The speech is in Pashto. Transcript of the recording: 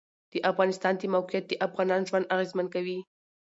د افغانستان د موقعیت د افغانانو ژوند اغېزمن کوي.